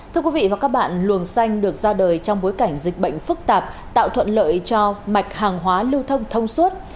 thưa quý vị và các bạn luồng xanh được ra đời trong bối cảnh dịch bệnh phức tạp tạo thuận lợi cho mạch hàng hóa lưu thông thông suốt